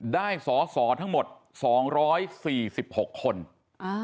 ได้สอสอทั้งหมดสองร้อยสี่สิบหกคนอ่า